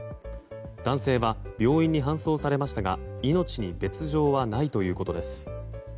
男性は病院に搬送されましたが命に別状はないということです。